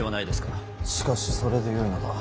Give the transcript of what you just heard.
しかしそれでよいのだ。